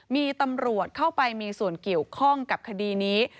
มีตำรวจเข้าไปมีส่วนเกี่ยวข้องกับคดีนี้